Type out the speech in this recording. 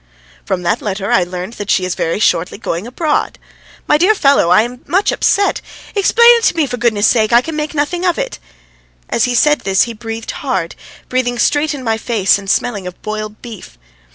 "From that letter I learned that she is very shortly going abroad. My dear fellow, I am very much upset! Explain it to me for goodness' sake. I can make nothing of it!" As he said this he breathed hard, breathing straight in my face and smelling of boiled beef.